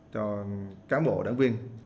cho cán bộ đảng viên